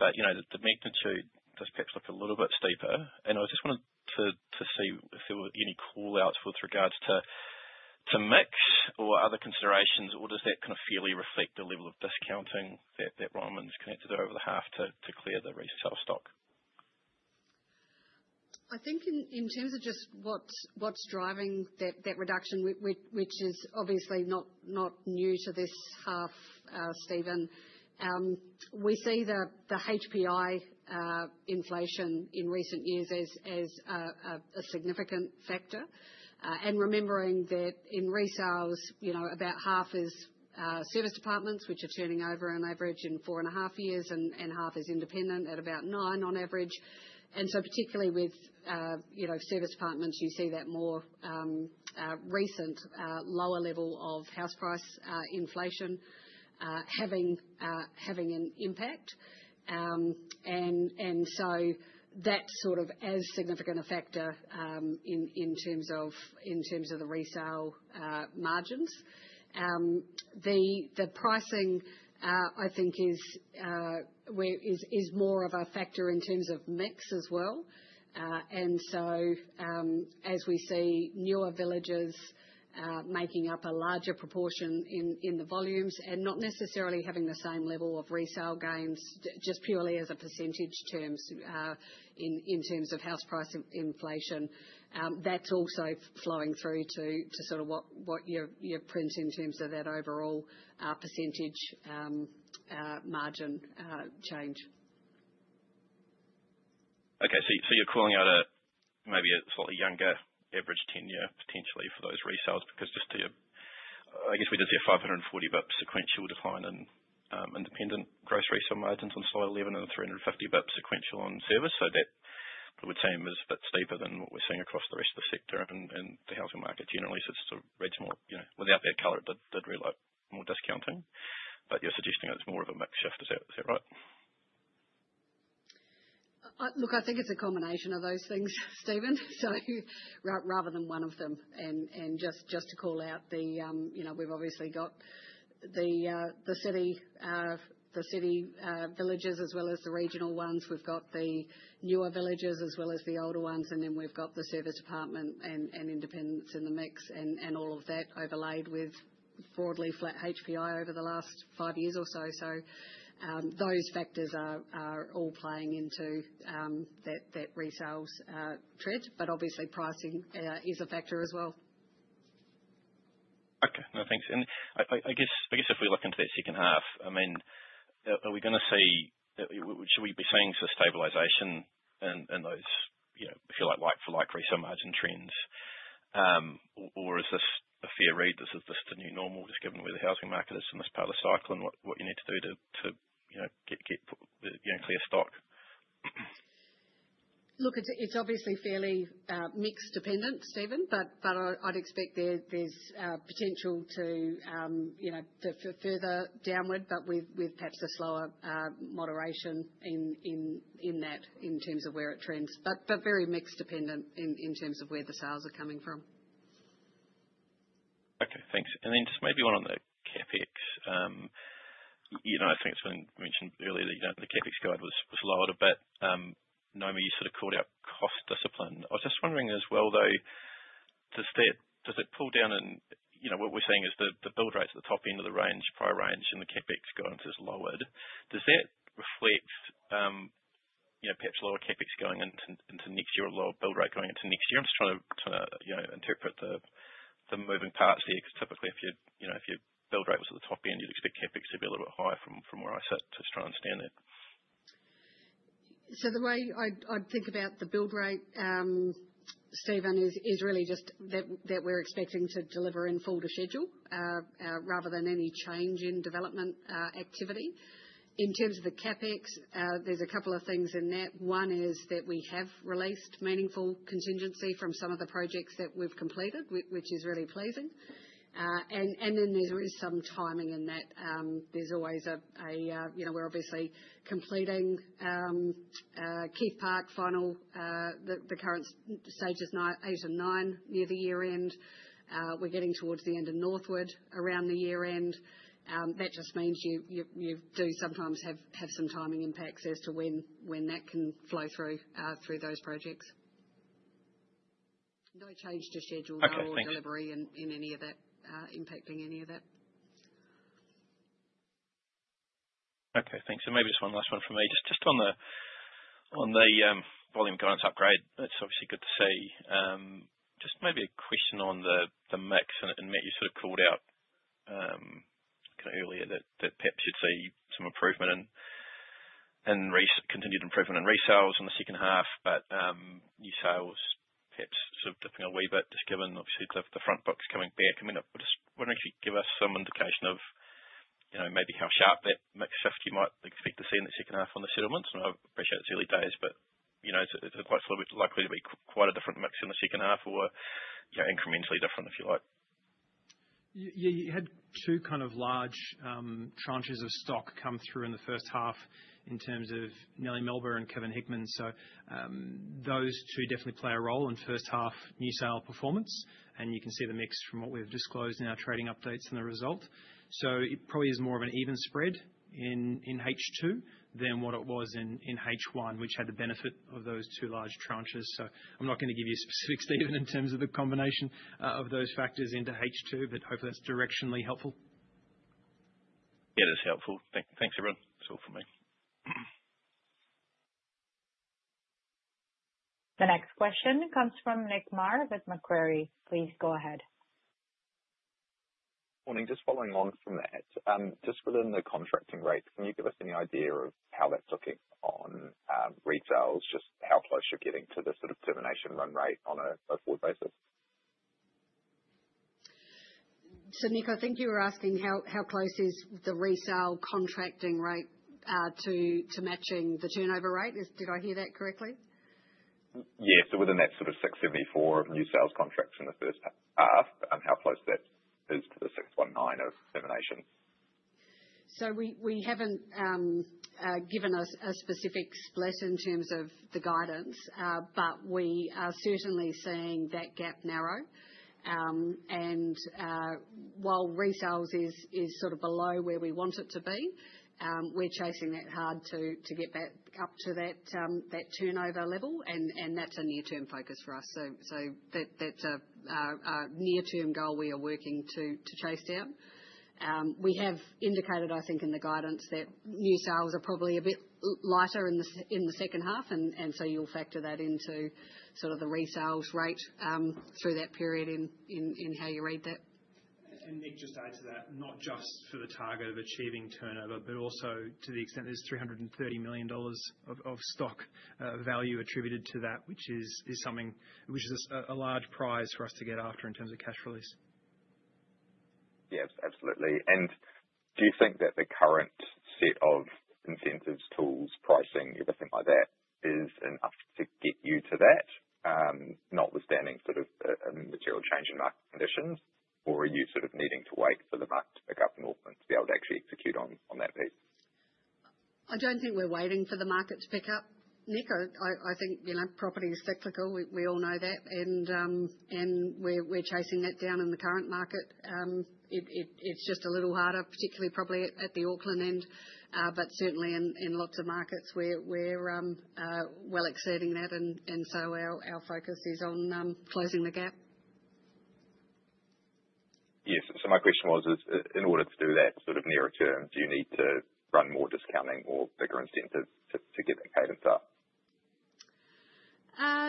but the magnitude does perhaps look a little bit steeper. I just wanted to see if there were any callouts with regards to mix or other considerations, or does that kind of fairly reflect the level of discounting that Ryman's connected over the half to clear the resale stock? I think in terms of just what's driving that reduction, which is obviously not new to this half, Steven, we see the HPI inflation in recent years as a significant factor. Remembering that in resales, about half is serviced apartments, which are turning over on average in four and a half years, and half is independent at about nine on average. Particularly with serviced apartments, you see that more recent lower level of house price inflation having an impact. That is as significant a factor in terms of the resale margins. The pricing, I think, is more of a factor in terms of mix as well. As we see newer villages making up a larger proportion in the volumes and not necessarily having the same level of resale gains, just purely as a percentage in terms of house price inflation, that is also flowing through to what you are printing in terms of that overall percentage margin change. Okay. You are calling out maybe a slightly younger average tenure potentially for those resales because just to your, I guess we did see a 540 basis point sequential decline in independent living unit margins on slide 11 and 350 basis point sequential on serviced apartments. That would seem a bit steeper than what we are seeing across the rest of the sector and the housing market generally. It is sort of regiminal without that color, it did relate more to discounting. You are suggesting it is more of a mix shift, is that right? Look, I think it's a combination of those things, Steven, rather than one of them. Just to call out, we've obviously got the city villages as well as the regional ones. We've got the newer villages as well as the older ones. Then we've got the serviced apartment and independence in the mix, and all of that overlaid with broadly flat HPI over the last five years or so. Those factors are all playing into that resales trend. Obviously, pricing is a factor as well. Okay. No, thanks. I guess if we look into that second half, I mean, are we going to see that, should we be seeing some stabilization in those, if you like, like-for-like resale margin trends? Or is this a fair read? Is this the new normal just given where the housing market is in this part of the cycle and what you need to do to get clear stock? Look, it's obviously fairly mixed dependence, Steven, but I'd expect there's potential to further downward, but with perhaps a slower moderation in that in terms of where it trends, but very mixed dependent in terms of where the sales are coming from. Okay. Thanks. Just maybe one on the CapEx. I think it's been mentioned earlier that the CapEx guide was lowered a bit. Naomi, you sort of called out cost discipline. I was just wondering as well, though, does that pull down in what we're seeing is the build rates at the top end of the range, prior range, and the CapEx guidance is lowered. Does that reflect perhaps lower CapEx going into next year, lower build rate going into next year? I'm just trying to interpret the moving parts there because typically if your build rate was at the top end, you'd expect CapEx to be a little bit higher from where I sit to try and understand it. The way I'd think about the build rate, Steven, is really just that we're expecting to deliver in full to schedule rather than any change in development activity. In terms of the CapEx, there's a couple of things in that. One is that we have released meaningful contingency from some of the projects that we've completed, which is really pleasing. There is some timing in that. We're obviously completing Keith Park final. The current stage is 8 and 9 near the year-end. We're getting towards the end of Northwood around the year-end. That just means you do sometimes have some timing impacts as to when that can flow through those projects. No change to schedule delivery in any of that impacting any of that. Okay. Thanks. Maybe just one last one for me. Just on the volume guidance upgrade, it's obviously good to see. Just maybe a question on the mix. You sort of called out earlier that perhaps you'd see some improvement in continued improvement in resales in the second half, but new sales, perhaps sort of dipping a wee bit just given obviously the front box coming back. I mean, just wondering if you'd give us some indication of maybe how sharp that mix shift you might expect to see in the second half on the settlements. I appreciate it's early days, but it's quite likely to be quite a different mix in the second half or incrementally different, if you like. Yeah, you had two kind of large tranches of stock come through in the first half in terms of Nellie Melba and Kevin Hickman. So those two definitely play a role in first half new sale performance. And you can see the mix from what we've disclosed in our trading updates and the result. It probably is more of an even spread in H2 than what it was in H1, which had the benefit of those two large tranches. I'm not going to give you specifics even in terms of the combination of those factors into H2, but hopefully that's directionally helpful. Yeah, that's helpful. Thanks, everyone. That's all for me. The next question comes from Nick Marr with Macquarie. Please go ahead. Morning. Just following along from that. Just within the contracting rate, can you give us any idea of how that's looking on retails, just how close you're getting to the sort of termination run rate on a full basis? Nick, I think you were asking how close is the resale contracting rate to matching the turnover rate. Did I hear that correctly? Yeah. Within that sort of 674 of new sales contracts in the first half, how close that is to the 619 of termination? We haven't given a specific split in terms of the guidance, but we are certainly seeing that gap narrow. While resales is sort of below where we want it to be, we're chasing that hard to get back up to that turnover level. That's a near-term focus for us. That's a near-term goal we are working to chase down. We have indicated, I think, in the guidance that new sales are probably a bit lighter in the second half. You will factor that into sort of the resales rate through that period in how you read that. There is a mixed response to that, not just for the target of achieving turnover, but also to the extent there is 330 million dollars of stock value attributed to that, which is something which is a large prize for us to get after in terms of cash flows. Yes, absolutely. Do you think that the current set of incentives, tools, pricing, everything like that is enough to get you to that, notwithstanding sort of a material change in market conditions, or are you needing to wait for the market to pick up and to be able to actually execute on that piece? I do not think we are waiting for the market to pick up, Nick. I think property is cyclical. We all know that. We are chasing that down in the current market. It is just a little harder, particularly probably at the Auckland end, but certainly in lots of markets where we are well exceeding that. Our focus is on closing the gap. Yes. My question was, in order to do that sort of nearer term, do you need to run more discounting or bigger incentives to get that cadence up?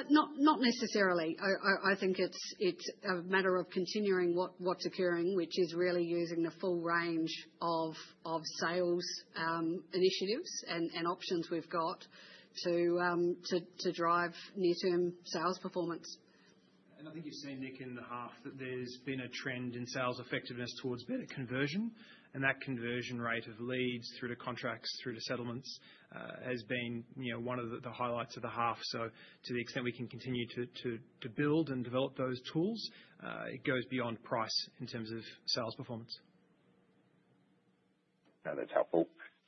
Not necessarily. I think it is a matter of continuing what is occurring, which is really using the full range of sales initiatives and options we have got to drive near-term sales performance. I think you have seen, Nick, in the half that there has been a trend in sales effectiveness towards better conversion. That conversion rate of leads through the contracts, through the settlements, has been one of the highlights of the half. To the extent we can continue to build and develop those tools, it goes beyond price in terms of sales performance. That's helpful.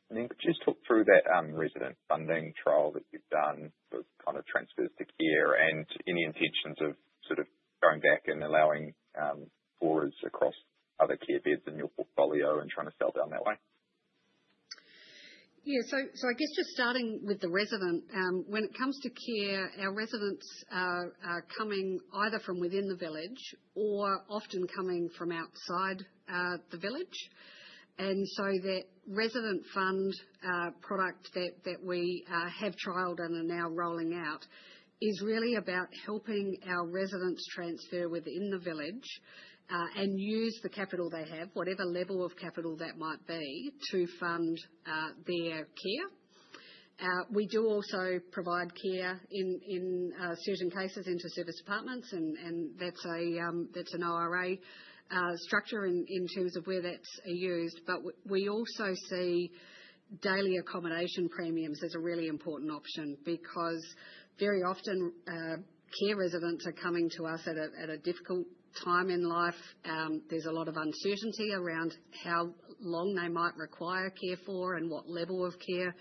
Could you just talk through that resident funding trial that you've done that kind of transfers to care and any intentions of sort of going back and allowing floors across other care beds in your portfolio and trying to sell down that way? Yeah. I guess just starting with the resident, when it comes to care, our residents are coming either from within the village or often coming from outside the village. That resident fund product that we have trialed and are now rolling out is really about helping our residents transfer within the village and use the capital they have, whatever level of capital that might be, to fund their care. We do also provide care in certain cases into serviced apartments. That is an ORA structure in terms of where that is used. We also see daily accommodation premiums as a really important option because very often care residents are coming to us at a difficult time in life. There is a lot of uncertainty around how long they might require care for and what level of care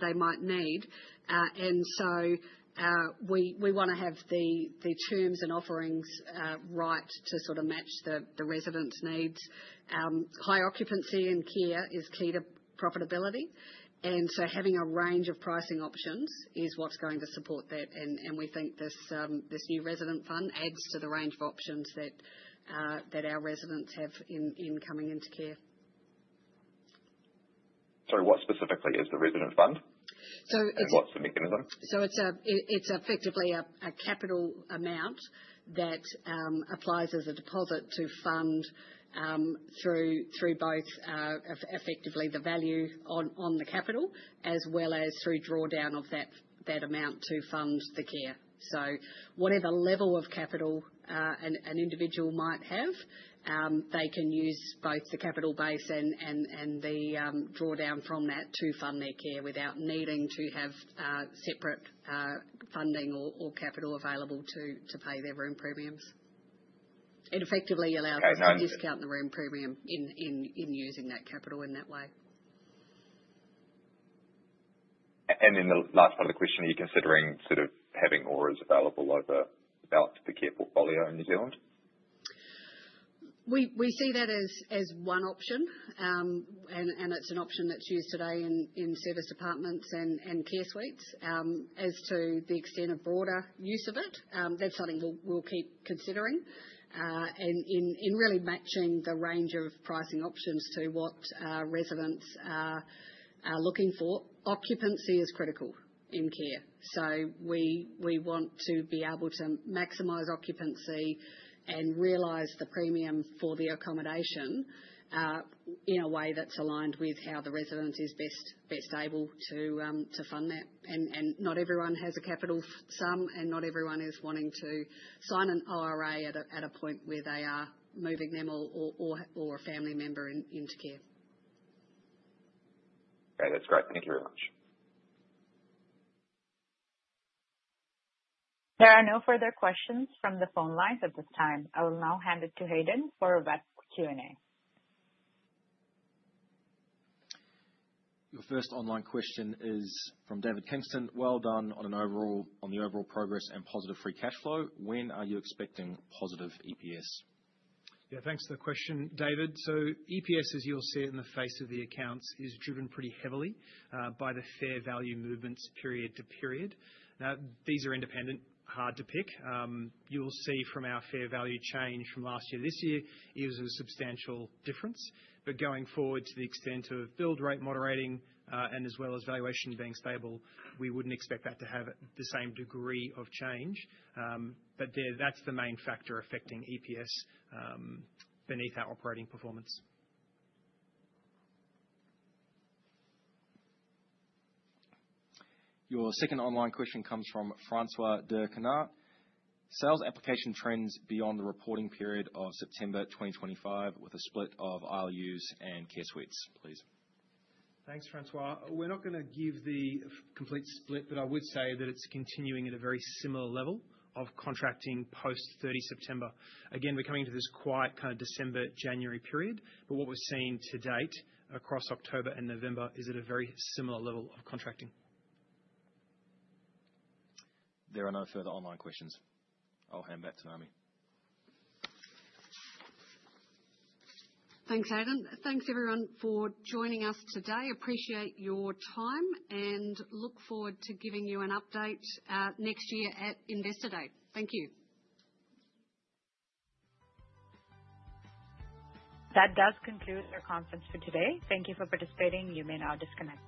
they might need. We want to have the terms and offerings right to sort of match the resident's needs. High occupancy in care is key to profitability. Having a range of pricing options is what's going to support that. We think this new resident fund adds to the range of options that our residents have in coming into care. Sorry, what specifically is the resident fund? What's the mechanism? It is effectively a capital amount that applies as a deposit to fund through both effectively the value on the capital as well as through drawdown of that amount to fund the care. Whatever level of capital an individual might have, they can use both the capital base and the drawdown from that to fund their care without needing to have separate funding or capital available to pay their room premiums. It effectively allows them to discount the room premium in using that capital in that way. The last part of the question, are you considering sort of having ORAs available over the balance of the care portfolio in New Zealand? We see that as one option. It is an option that is used today in serviced apartments and care suites. As to the extent of broader use of it, that is something we will keep considering. In really matching the range of pricing options to what residents are looking for, occupancy is critical in care. We want to be able to maximize occupancy and realize the premium for the accommodation in a way that is aligned with how the resident is best able to fund that. Not everyone has a capital sum, and not everyone is wanting to sign an ORA at a point where they are moving themselves or a family member into care. Okay. That is great. Thank you very much. There are no further questions from the phone lines at this time. I will now hand it to Hayden for a Q&A. Your first online question is from David Kenson. Well done on the overall progress and positive free cash flow. When are you expecting positive EPS? Yeah, thanks for the question, David. So EPS, as you'll see in the face of the accounts, is driven pretty heavily by the fair value movements period to period. These are independent, hard to pick. You'll see from our fair value change from last year this year is a substantial difference. Going forward, to the extent of build rate moderating and as well as valuation being stable, we wouldn't expect that to have the same degree of change. That's the main factor affecting EPS beneath our operating performance. Your second online question comes from Francois de Canard. Sales application trends beyond the reporting period of September 2025 with a split of ILUs and care suites, please. Thanks, Francois. We're not going to give the complete split, but I would say that it's continuing at a very similar level of contracting post-30 September. We're coming to this quiet kind of December, January period. What we're seeing to date across October and November is at a very similar level of contracting. There are no further online questions. I'll hand back to Naomi. Thanks, Hayden. Thanks, everyone, for joining us today. Appreciate your time and look forward to giving you an update next year at Investor Day. Thank you. That does conclude our conference for today. Thank you for participating. You may now disconnect.